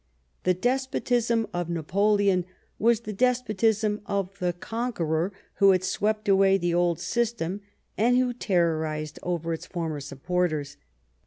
The despotism of Napoleon was the despotism of the conqueror who had swept away the old system, and who terrorised over its former supporters.